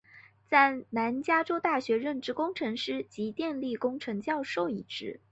在南加州大学任职工程师及电力工程教授一职。